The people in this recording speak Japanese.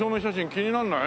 気にならない？